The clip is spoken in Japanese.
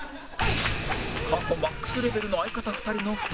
過去マックスレベルの相方２人の負担だが